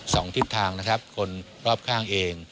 สองทิศทางคนรอบข้างเอง